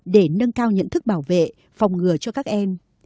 để nâng cao nhận thức bảo vệ phòng ngừa cho các em